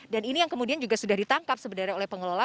dan ini yang kemudian juga sudah ditangkap sebenarnya oleh pengelola